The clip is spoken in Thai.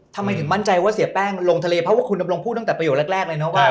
ทำไมถึงมั่นใจว่าเสียแป้งลงทะเลเพราะว่าคุณดำรงพูดตั้งแต่ประโยคแรกเลยนะว่า